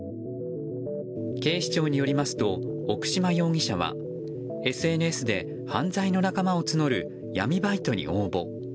警視庁によりますと奥島容疑者はＳＮＳで犯罪の仲間を募る闇バイトに応募。